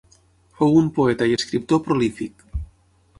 Fou un poeta i escriptor prolífic.